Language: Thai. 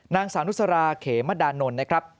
นางสาวนุสราเขมดานนท์นะครับ